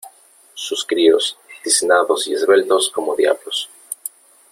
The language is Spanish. sus críos , tiznados y esbeltos como diablos ,